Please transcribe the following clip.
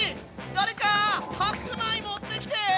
誰か白米持ってきて！